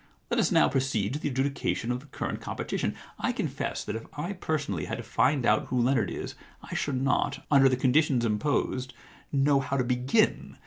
Let us now proceed to the adjudication of the current competition. I confess that if I personally had to find out who Leonard is, I should not, under the conditions imposed, know how to begin.